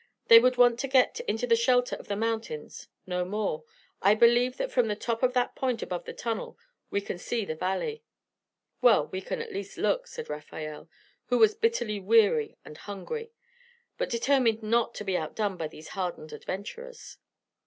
They would want to get into the shelter of the mountains, no more. I believe that from the top of that point above the tunnel we can see the valley." "Well, we can at least look," said Rafael, who was bitterly weary and hungry, but determined not to be outdone by these hardened adventurers.